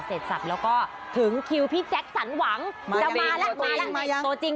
เสร็จสับแล้วก็ถึงคิวพี่แจ็คสันหวัง